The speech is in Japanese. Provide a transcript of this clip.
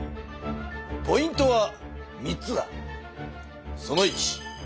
ポイントは３つだ。